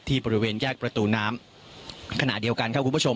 บริเวณแยกประตูน้ำขณะเดียวกันครับคุณผู้ชม